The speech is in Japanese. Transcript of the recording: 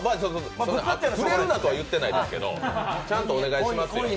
触れるなとは言ってないですけど、ちゃんとお願いしますよ